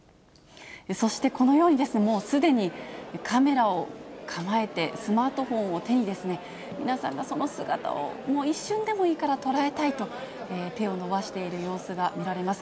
そしてこのようにですね、もうすでにカメラを構えて、スマートフォンを手に、皆さんがその姿を、一瞬でもいいから捉えたいと、手を伸ばしている様子が見られます。